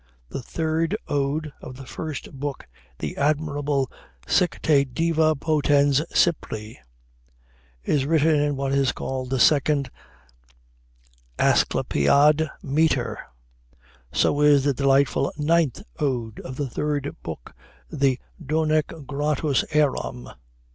The third ode of the first book, the admirable "Sic te diva potens Cypri," is written in what is called the Second Asclepiad meter; so is the delightful ninth ode of the third book, the "Donec gratus eram."